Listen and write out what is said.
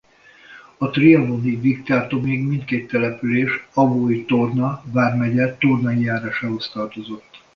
A trianoni diktátumig mindkét település Abaúj-Torna vármegye Tornai járásához tartozott.